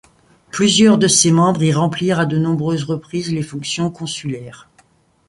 Plusieurs de ses membres y remplirent à de nombreuses reprises les fonctions consulaires.